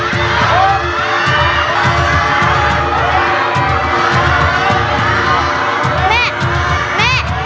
แม่แม่